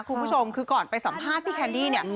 คุณผู้ชมก่อนไปสัมภาษณ์พี่แคนดี้